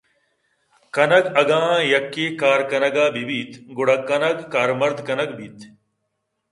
کنگ اگاں یکے کارے کنگ ءَ بہ بیت گڑا کنَگ کارمرد کنَگ بیت۔